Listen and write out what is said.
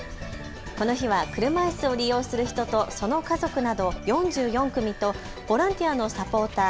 この日は車いすを利用する人とその家族など４４組とボランティアのサポーター